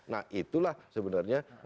nah itulah sebenarnya